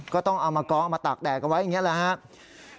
ก็ต้องเอามากองเอามาตากแดดกันไว้อย่างนี้แหละครับ